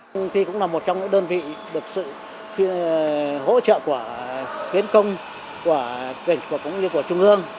công ty cũng là một trong những đơn vị được sự hỗ trợ của khuyến công của công ty của trung ương